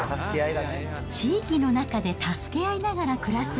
地域の中で助け合いながら暮らす。